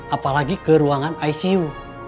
apalagi ke ruangan icu